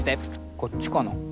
こっちかな？